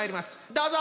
どうぞ！